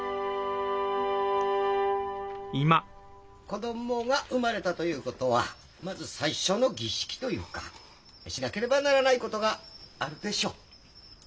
子どもが産まれたということはまず最初の儀式というかしなければならないことがあるでしょう？